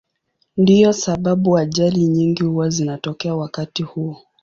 Ndiyo sababu ajali nyingi huwa zinatokea wakati huo.